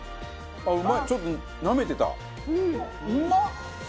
ちょっとなめてた。